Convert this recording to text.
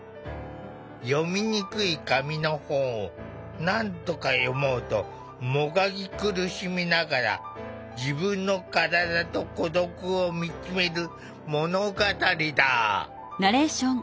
読みにくい紙の本をなんとか読もうともがき苦しみながら自分の身体と孤独を見つめる物語だ。